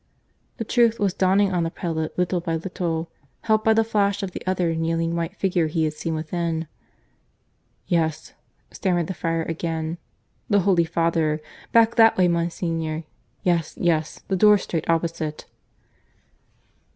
The truth was dawning on the prelate little by little, helped by the flash of the other kneeling white figure he had seen within. "Yes," stammered the friar again. "The Holy Father. Back that way, Monsignor. Yes, yes that door straight opposite."